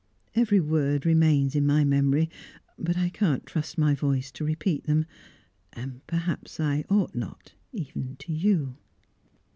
Every word remains in my memory, but I can't trust my voice to repeat them, and perhaps I ought not even to you."